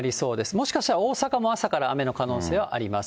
もしかしたら、大阪も朝から雨の可能性はあります。